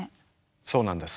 そうなんです。